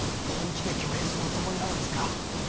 本気で挙兵するおつもりなのですか？